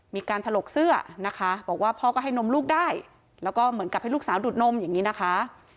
ถลกเสื้อนะคะบอกว่าพ่อก็ให้นมลูกได้แล้วก็เหมือนกับให้ลูกสาวดูดนมอย่างนี้นะคะ